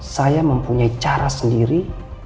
saya mempunyai cara sendiri